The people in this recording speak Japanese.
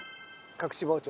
隠し包丁。